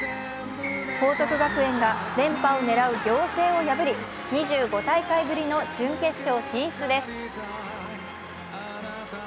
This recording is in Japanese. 報徳学園が連覇を狙う仰星を破り２５大会ぶりの準決勝進出です。